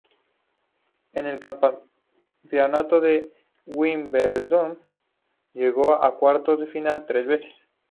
En el Campeonato de Wimbledon, llegó a cuartos de final tres veces.